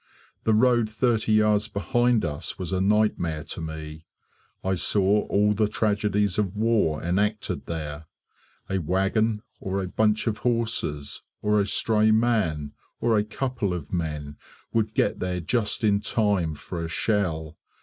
The road thirty yards behind us was a nightmare to me. I saw all the tragedies of war enacted there. A wagon, or a bunch of horses, or a stray man, or a couple of men, would get there just in time for a shell.